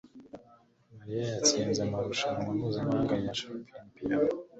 mariya yatsinze amarushanwa mpuzamahanga ya Chopin Piyano